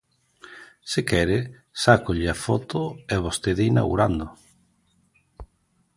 Se quere, sácolle a foto, e vostede inaugurando.